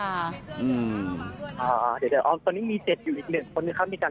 เดี๋ยวอ๋อตอนนี้มี๗อยู่อีก๑คนนะครับ